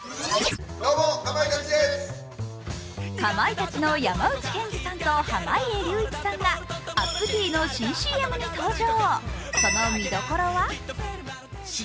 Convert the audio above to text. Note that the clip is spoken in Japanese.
かまいたちの山内健司さんと濱家隆一さんがＵｐ−Ｔの新ＣＭに登場。